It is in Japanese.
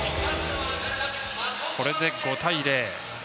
これで、５対０。